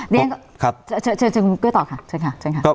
เดี๋ยวเจอต่อค่ะ